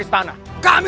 raja yang kejam